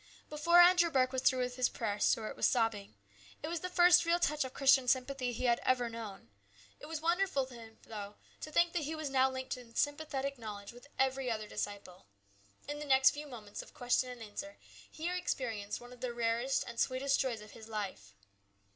Before Andrew Burke was through with his prayer, Stuart was sobbing. It was the first real touch of Christian sympathy he had ever known. It was wonderful to him, though, to think that he was now linked in sympathetic knowledge with every other disciple. In the next few moments of question and answer he experienced one of the rarest and sweetest joys of his life.